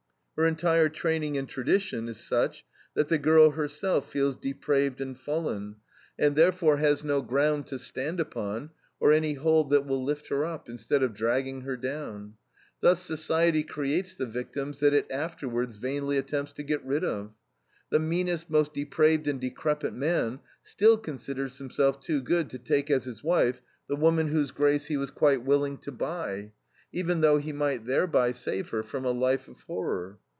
Her entire training and tradition is such that the girl herself feels depraved and fallen, and therefore has no ground to stand upon, or any hold that will lift her up, instead of dragging her down. Thus society creates the victims that it afterwards vainly attempts to get rid of. The meanest, most depraved and decrepit man still considers himself too good to take as his wife the woman whose grace he was quite willing to buy, even though he might thereby save her from a life of horror.